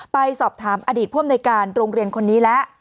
ไปสอบถามอดีตพ่วนในการโรงเรียนคนนี้แล้ว